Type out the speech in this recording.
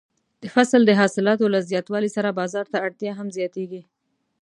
د فصل د حاصلاتو له زیاتوالي سره بازار ته اړتیا هم زیاتیږي.